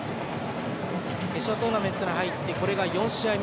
決勝トーナメントに入ってこれが４試合目。